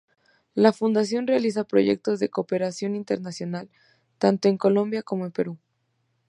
La fundación realiza proyectos de Cooperación Internacional tanto en Colombia como en Perú.